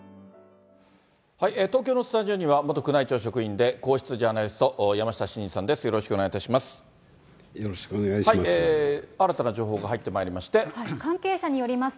東京のスタジオには、元宮内庁職員で、皇室ジャーナリスト、山下晋司さんです、よろしくお願いいたします。